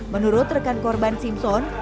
menurut rekan korban simpson